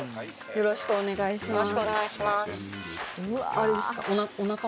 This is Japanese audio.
よろしくお願いします。